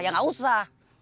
ya gak usah